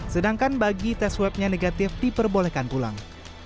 sedangkan bagi tes swabnya negatif diperbolehkan pulang